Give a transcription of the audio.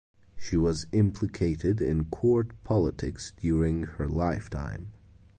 She was implicated in court politics during her lifetime.